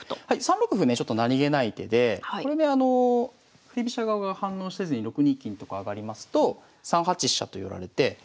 はい３六歩ねちょっと何気ない手でこれであの振り飛車側が反応せずに６二金とか上がりますと３八飛車と寄られて。